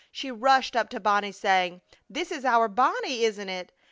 She rushed up to Bonnie, saying, "This is our Bonnie, isn't it?"